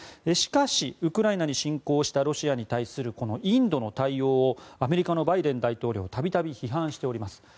しかし、ウクライナに侵攻したロシアに対するインドの対応をアメリカのバイデン大統領は度々批判しております。